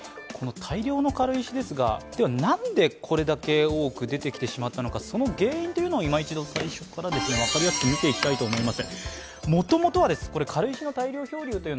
大量の軽石ですが何でこれだけ多く出てきてしまったのかその原因をいま一度分かりやすく見ていきたいと思います。